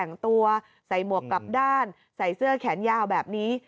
แต่งตัวใส่หมวกกลับด้านใส่เสื้อแขนยาวแบบนี้